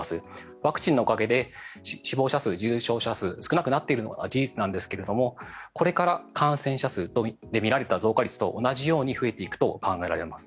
ワクチンのおかげで死亡者数重症者数が少なくなっているのは事実なんですがこれから感染者で見られた増加率と同じように増えていくと考えられます。